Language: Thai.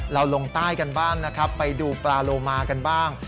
ลงใต้กันบ้างนะครับไปดูปลาโลมากันบ้าง